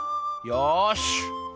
よし！